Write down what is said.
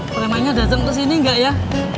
premanya dateng kesini gak ya